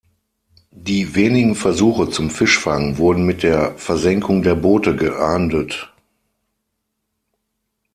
Die wenigen Versuche zum Fischfang wurden mit der Versenkung der Boote geahndet.